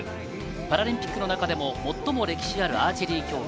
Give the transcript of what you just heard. パラリンピックの中でも最も歴史あるアーチェリー競技。